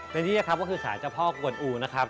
และนี่นะครับก็คือสารเจ้าพ่อกวนอูนะครับ